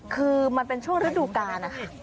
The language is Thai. คือมันเป็นช่วงฤดูกาลนะคะ